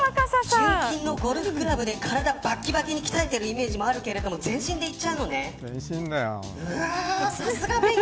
純金のゴルフクラブで体ばきばきに鍛えてるイメージあるけど全身でいっちゃうのね。